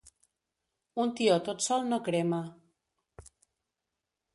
Un tió tot sol no crema.